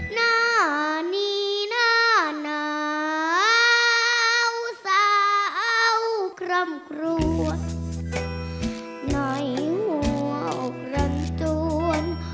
หน้านี้หน้าหนาวสาวกล้ำกลัวในหัวอกรรมจวน